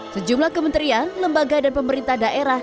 sejumlah kementerian lembaga dan pemerintah daerah